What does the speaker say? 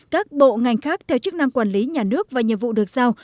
các bộ ngành khác theo chức năng quản lý nhà nước và nhiệm vụ được giao